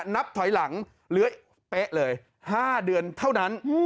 นับถอยหลังเลื้อยเป๊ะเลย๕เดือนเท่านั้น